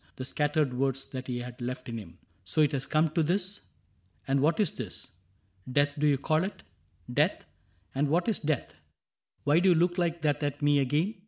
The scattered words, that he had left in him. ^' So it has come to this ? And what is this ? Death, do you call it ? Death ? And what is death ? 78 CAPTAIN CRAIG Why do you look like that at me again